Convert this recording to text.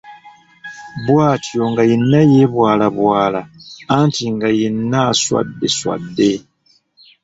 Bwatyo nga yenna yeebwalabwala anti nga yenna aswadde swadde.